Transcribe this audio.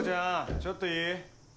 ちょっといい？